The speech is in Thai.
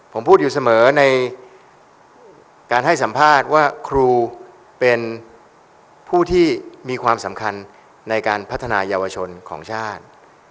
ผมพูดอยู่เสมอในการให้สัมภาษณ์ว่าครูเป็นผู้ที่มีความสำคัญในการพัฒนายาวชนของชาติ